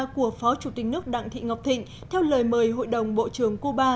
của phó chủ tịch nước đặng thị ngọc thịnh theo lời mời hội đồng bộ trưởng cuba